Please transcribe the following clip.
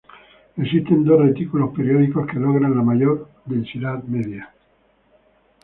Existen dos retículos periódicos que logran la mayor densidad media.